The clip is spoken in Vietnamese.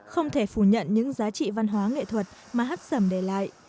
không thể phủ nhận những giá trị văn hóa nghệ thuật mà hắc sẩm để lại